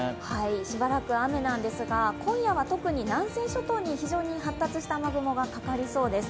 しばらく雨なんですが、今夜は特に南西諸島に発達した雨雲がかかりそうです。